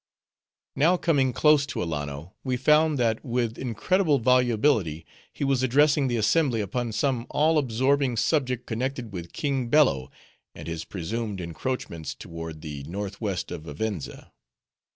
Now coming close to Alanno, we found, that with incredible volubility, he was addressing the assembly upon some all absorbing subject connected with King Bello, and his presumed encroachments toward the northwest of Vivenza.